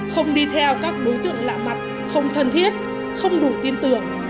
không đi theo các đối tượng lạ mặt không thân thiết không đủ tin tưởng